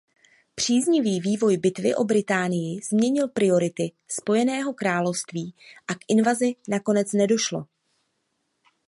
Příznivý vývoj Bitvy o Británii změnil priority Spojeného království a k invazi nakonec nedošlo.